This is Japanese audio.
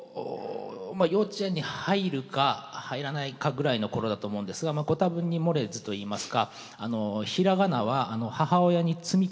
幼稚園に入るか入らないかぐらいの頃だと思うんですがご多分に漏れずといいますか平仮名は母親に積み木で教わりました。